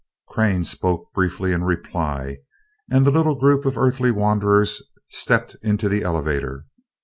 ] Crane spoke briefly in reply and the little group of Earthly wanderers stepped into the elevator.